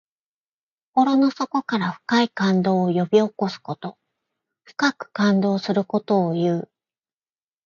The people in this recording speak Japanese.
心の底から深い感動を呼び起こすこと。深く感動することをいう。